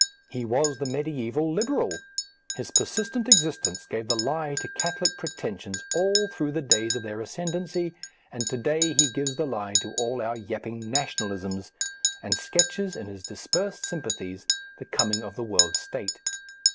He was the mediæval Liberal; his persistent existence gave the lie to Catholic pretensions all through the days of their ascendency, and to day he gives the lie to all our yapping "nationalisms," and sketches in his dispersed sympathies the coming of the world state.